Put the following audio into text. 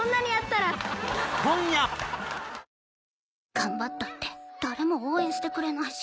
頑張ったって誰も応援してくれないし。